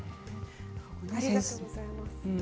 ありがとうございます。